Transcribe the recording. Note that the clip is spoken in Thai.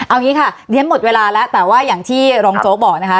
เอางี้ค่ะเรียนหมดเวลาแล้วแต่ว่าอย่างที่รองโจ๊กบอกนะคะ